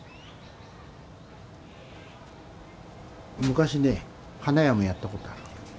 昔ね花屋もやったことある。